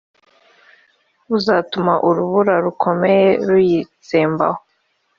buzatuma urubura rukomeye ruyitsembaho